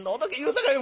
さかい